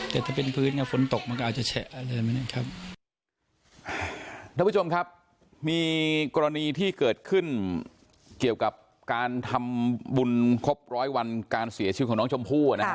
แต่ถ้าเป็นพื้นอย่างเงาะฝนตกมาก็อาจจะแฉะอันเว้นนี้ครับ